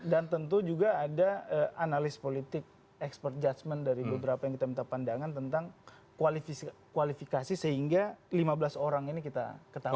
dan tentu juga ada analis politik expert judgment dari beberapa yang kita pandangkan tentang kualifikasi sehingga lima belas orang ini kita ketahui